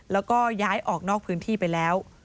แล้วก็ย้ายออกนอกพื้นที่ไปแล้ว